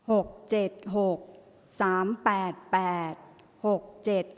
ออกรางวัลที่๖เลขที่๗